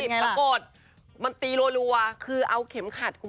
ปรากฏมันตีรัวคือเอาเข็มขัด